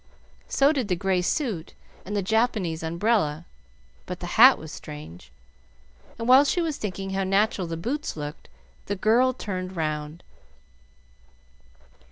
So did the gray suit and the Japanese umbrella; but the hat was strange, and while she was thinking how natural the boots looked, the girl turned round.